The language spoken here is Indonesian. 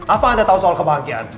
apa anda tahu soal kebahagiaan